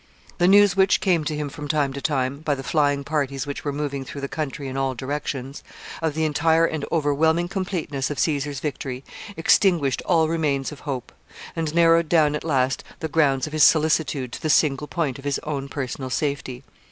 The news which came to him from time to time, by the flying parties which were moving through the country in all directions, of the entire and overwhelming completeness of Caesar's victory, extinguished all remains of hope, and narrowed down at last the grounds of his solicitude to the single point of his own personal safety.